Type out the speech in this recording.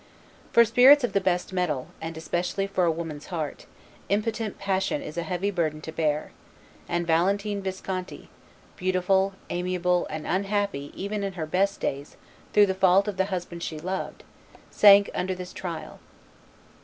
For spirits of the best mettle, and especially for a woman's heart, impotent passion is a heavy burden to bear; and Valentine Visconti, beautiful, amiable, and unhappy even in her best days through the fault of the husband she loved, sank under this trial.